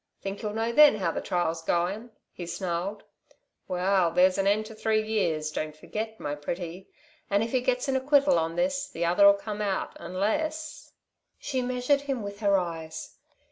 "Think you'll know then how the trial's goin'," he snarled. "Well, there's an end to three years, don't forget, my pretty, and if he gets an acquittal on this, the other'll come out, unless " She measured him with her eyes.